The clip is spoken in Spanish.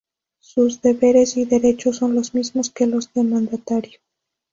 Sus deberes y derechos son los mismos que los del Mandatario.